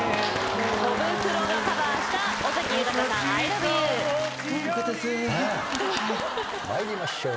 コブクロがカバーした尾崎豊さん『ＩＬＯＶＥＹＯＵ』参りましょう。